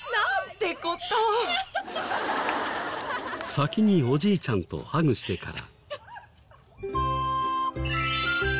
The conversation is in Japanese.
先におじいちゃんとハグしてから。